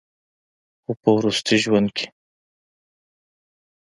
خو پۀ وروستي ژوند کښې